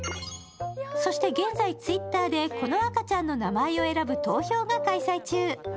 そして現在、Ｔｗｉｔｔｅｒでこの赤ちゃんの名前を選ぶ投票が開催中。